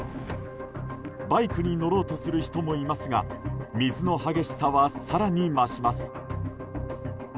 バイクに乗ろうとする人もいますが水の激しさは更に増します。